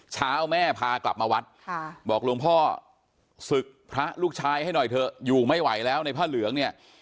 เช้าแม่พากลับมาวัดบอกหลวงพ่อศึกพระลูกชายให้หน่อยเถอะอยู่ไม่ไหวแล้วในผ้าเหลืองเนี่ย